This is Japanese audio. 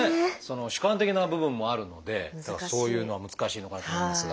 主観的な部分もあるのでそういうのは難しいのかなと思いますが。